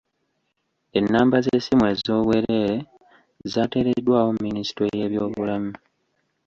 Ennamba z'essimu ez'obwereere zaateereddwawo minisitule y'ebyobulamu.